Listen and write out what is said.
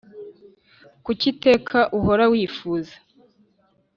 Kuki iteka uhora wifuza